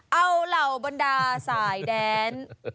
เอาเหล่าบรรดาสายแดน